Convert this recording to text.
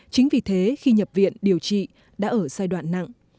chính vì thế khi nhập viện điều trị đã ở giai đoạn nặng